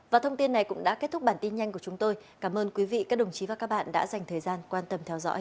và thông tin này cũng đã kết thúc bản tin nhanh của chúng tôi cảm ơn quý vị các đồng chí và các bạn đã dành thời gian quan tâm theo dõi